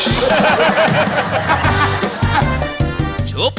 เต้นเต้น